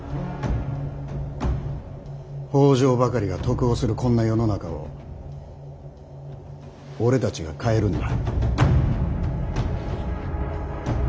北条ばかりが得をするこんな世の中を俺たちが変えるんだ。